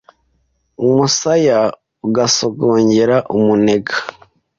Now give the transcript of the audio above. Umusaya ugasongera umunega